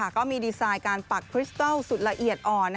ก็มีดีไซน์การปักคริสตัลสุดละเอียดอ่อน